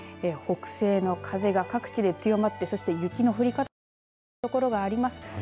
北西の風が各地で強まっていてそして雪の降り方も強まる所があります。